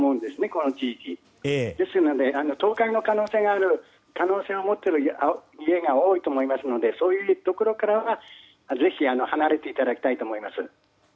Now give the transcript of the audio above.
この地域。ですので、倒壊の可能性を持っている家が多いと思いますのでそういうところからは、ぜひ離れていただきたいと思います。